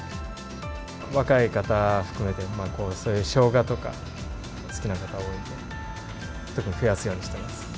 若い方含めて、そういうしょうがとか、好きな方が多いと思います、特に増やすようにしてます。